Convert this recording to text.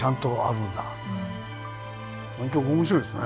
南極面白いですね。